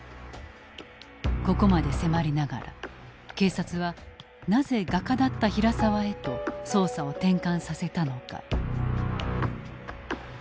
ここまで迫りながら警察はなぜ画家だった平沢へと捜査を転換させたのか。